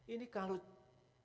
ini kalau cepat direalisasi